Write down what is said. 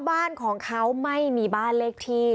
บ้านของเขาไม่มีบ้านเลขที่